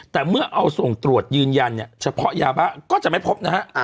แต่เมื่อเอาส่งตรวจยืนยันเนี่ยเฉพาะยาบ้าก็จะไม่พบนะฮะ